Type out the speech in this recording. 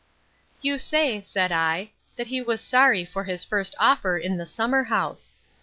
You say, said I, that he was sorry for his first offer in the summer house.